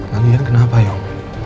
lalu yang kenapa om